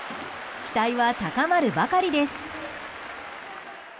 期待は高まるばかりです。